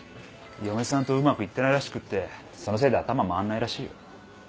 嫁さんとうまくいってないらしくってそのせいで頭回んないらしいよ。